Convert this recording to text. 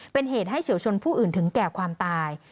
เป็นเหตุให้เฉียวชนผู้อื่นถึงแก่ความตาย